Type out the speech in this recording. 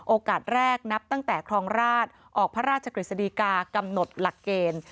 โอกาสแรกนับตั้งแต่ครองราชออกพระราชกฤษฎีกากำหนดหลักเกณฑ์